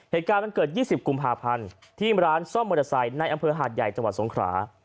เหตุการณ์มันเกิด๒๐กุมภาพันธ์ที่ร้านซ่อมมอเตอร์ไซค์ในอำเภอหาดใหญ่จังหวัดสงขรา